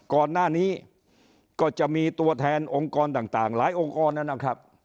ก่อนหน้านี้ก็จะมีตัวแทนองค์กรต่างหลายองค์กรนะครับ